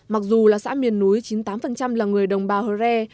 mặc dù là xã miền núi chín mươi tám là người đồng bào hơ rê